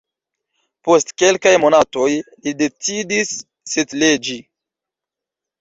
Post kelkaj monatoj li decidis setliĝi.